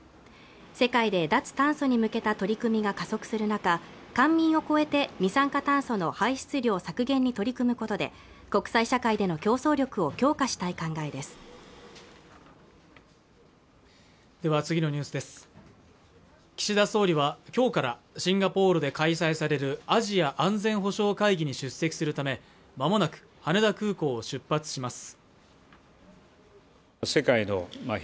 世界で脱炭素に向けた取り組みが加速する中官民を超えて二酸化炭素の排出量削減に取り組むことで国際社会での競争力を強化したい考えです岸田総理はきょうからシンガポールで開催されるアジア安全保障会議に出席するためまもなく羽田空港を出発します